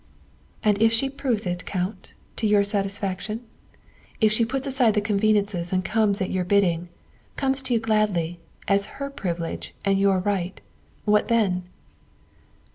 "And if she proves it, Count, to your satisfaction? If she puts aside the convenances and comes at your bid ding, comes to you gladly, as her privilege and your right, what then?"